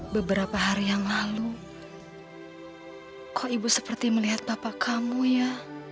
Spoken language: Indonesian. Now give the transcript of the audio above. beberapa hari yang lalu kok ibu seperti melihat bapak kamu ya